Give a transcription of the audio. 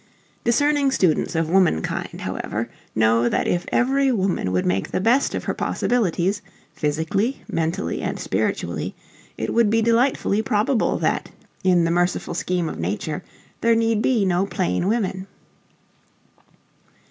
Discerning students of womankind, however, know that if every woman would make the best of her possibilities, physically, mentally, and spiritually, it would be delightfully probable that "in the merciful scheme of nature" there need be no plain women.